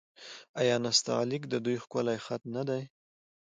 آیا نستعلیق د دوی ښکلی خط نه دی؟